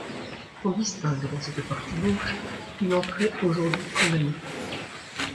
On distingue dans cette partie gauche une entrée aujourd'hui condamnée.